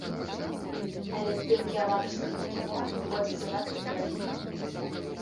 Але здымкі аматарскага кіно выходзяць занадта дарагімі.